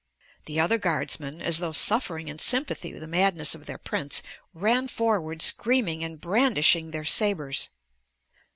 The other guardsmen, as though suffering in sympathy the madness of their prince, ran forward screaming and brandishing their sabers.